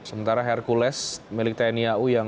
ini masih diharuskan